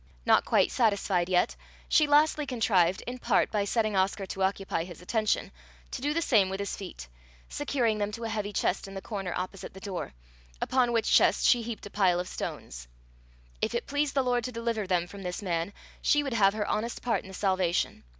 Not quite satisfied yet, she lastly contrived, in part by setting Oscar to occupy his attention, to do the same with his feet, securing them to a heavy chest in the corner opposite the door, upon which chest she heaped a pile of stones. If it pleased the Lord to deliver them from this man, she would have her honest part in the salvation!